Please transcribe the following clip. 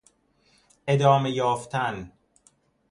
ادامه یافتن